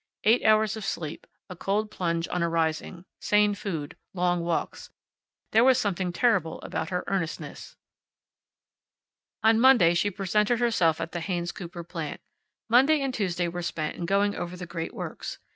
Eight hours of sleep. A cold plunge on arising. Sane food. Long walks. There was something terrible about her earnestness. On Monday she presented herself at the Haynes Cooper plant. Monday and Tuesday were spent in going over the great works.